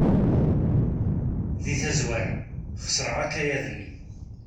Deg tazwara, xeṣreɣ akayad-nni.